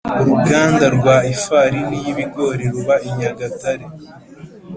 Uruganda rwa ifarini y’ ibigori ruba I nyagatare